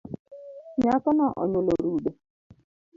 Nyako no onywolo rude